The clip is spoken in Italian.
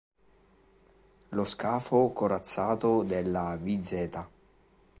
Lo scafo corazzato della "vz.